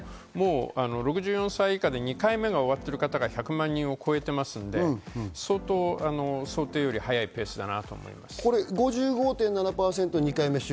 ６４歳以下で２回目が終わってる方が１００万人を超えていますので、想定より早いペースだなと思います。